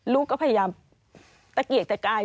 ลูกก็พยายามตะเกียกตะกาย